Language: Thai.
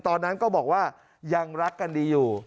ตอนนั้นก็บอกว่ายังรักกันดีอยู่